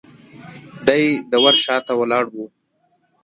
دی د ور شاته ولاړ و.